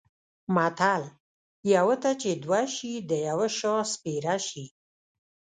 متل: یوه ته چې دوه شي د یوه شا سپېره شي.